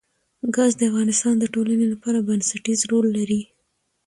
ګاز د افغانستان د ټولنې لپاره بنسټيز رول لري.